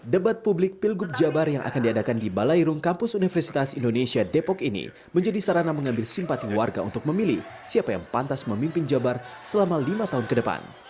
debat publik pilgub jabar yang akan diadakan di balairum kampus universitas indonesia depok ini menjadi sarana mengambil simpati warga untuk memilih siapa yang pantas memimpin jabar selama lima tahun ke depan